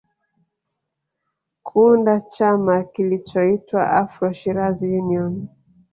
Kuunda chama kilichoitwa Afro Shirazi Union